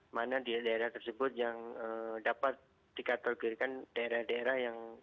mana daerah daerah tersebut yang dapat dikategorikan daerah daerah yang